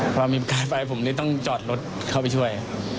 ปะว่ามีประกายไฟผมก็เลยต้องจอดรถเข้าให้ช่วย